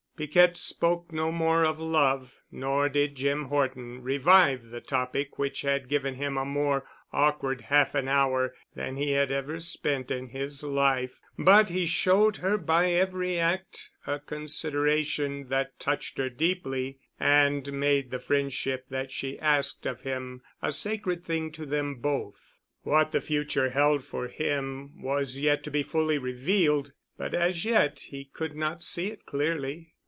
Piquette spoke no more of love, nor did Jim Horton revive the topic which had given him a more awkward half an hour than he had ever spent in his life, but he showed her by every act a consideration that touched her deeply and made the friendship that she asked of him a sacred thing to them both. What the future held for him was yet to be fully revealed, but as yet he could not see it clearly.